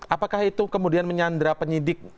apakah itu kemudian menyandra penyidik